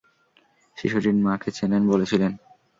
শিশুটির মাকে চেনেন বলেছিলেন!